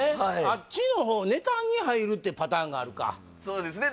あっちの方ネタに入るってパターンがあるかそうですね